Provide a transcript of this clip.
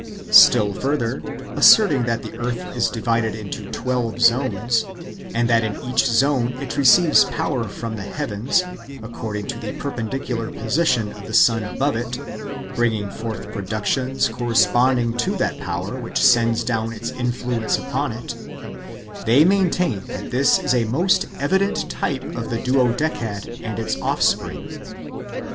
Still further, asserting that the earth is divided into twelve zones, and that in each zone it receives power from the heavens, according to the perpendicular [position of the sun above it], bringing forth productions corresponding to that power which sends down its influence upon it, they maintain that this is a most evident type of the Duodecad and its offspring.